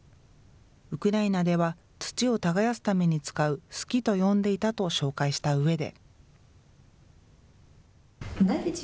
ウクライナでは土を耕すために使うすきと呼んでいたと紹介したうえで。